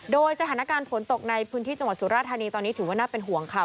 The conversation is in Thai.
โดยสถานการณ์ฝนตกในพื้นที่จังหวัดสุราธานีตอนนี้ถือว่าน่าเป็นห่วงค่ะ